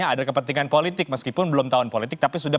oke boleh direspon oleh